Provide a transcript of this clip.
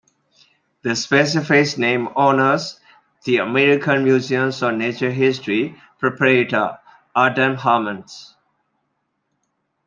The specific name honors the American Museum of Natural History preparator Adam Hermann.